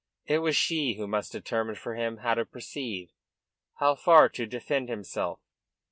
It was she who must determine for him how to proceed; how far to defend himself.